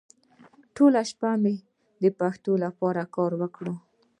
ټوله شپه مې د پښتو لپاره کار وکړ.